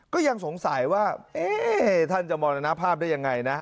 ก็ยังสงสัยว่าท่านจะมรณภาพได้ยังไงนะ